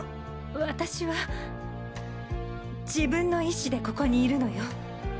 私は自分の意志でここにいるのよ。